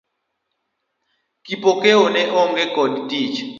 Kipokeo ne onge koda tich.